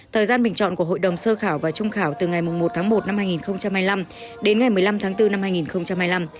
thời gian bình chọn của hội đồng sơ khảo và trung khảo từ ngày một tháng một năm hai nghìn hai mươi năm đến ngày một mươi năm tháng bốn năm hai nghìn hai mươi năm